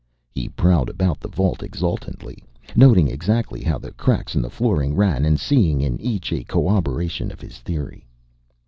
He prowled about the vault exultantly, noting exactly how the cracks in the flooring ran and seeing in each a corroboration of his theory.